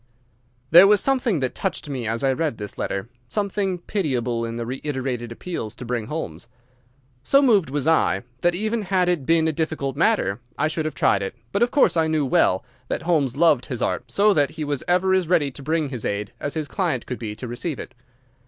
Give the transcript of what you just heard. There was something that touched me as I read this letter, something pitiable in the reiterated appeals to bring Holmes. So moved was I that even had it been a difficult matter I should have tried it, but of course I knew well that Holmes loved his art, so that he was ever as ready to bring his aid as his client could be to receive it.